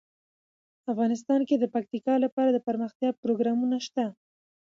افغانستان کې د پکتیکا لپاره دپرمختیا پروګرامونه شته.